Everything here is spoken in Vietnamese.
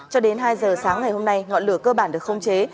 cho đến hai giờ sáng ngày hôm nay ngọn lửa cơ bản được không chế